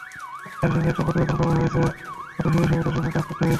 জাতিসংঘের একটা প্রতিবেদন করার জন্য পথশিশুসহ এদের সঙ্গে কাজ করতে হয়েছে।